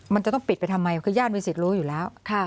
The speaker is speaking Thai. มันจะต้องปิดไปทำไมคือญาติมีสิทธิ์รู้อยู่แล้ว